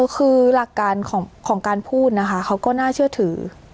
คือหลักการของการพูดนะคะเขาก็น่าเชื่อถือ